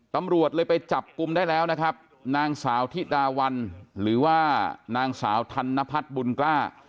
ตำรวจเลยไปจับกลุ่มได้แล้วนะครับนางสาวธิดาวันหรือว่านางสาวธนพัฒน์บุญกล้า